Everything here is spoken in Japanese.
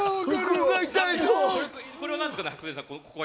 それは何ですかね？